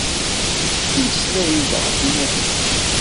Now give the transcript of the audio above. Temmeslay-d ɣef umahil-is.